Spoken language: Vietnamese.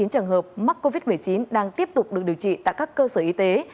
một trăm sáu mươi chín trường hợp mắc covid một mươi chín đang tiếp tục được điều trị tại các cơ sở y tế